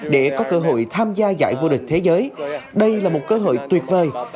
để có cơ hội tham gia giải vô địch thế giới đây là một cơ hội tuyệt vời